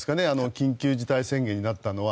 緊急事態宣言になったのは。